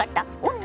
女